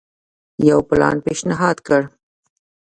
یو پلان پېشنهاد کړ.